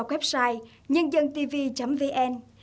sẽ ngày càng phát triển hơn